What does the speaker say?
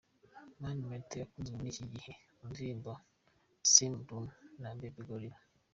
Mani Martin akunzwe muri iki gihe mu ndirimbo ‘Same Room’ na ‘Baby Gorilla’.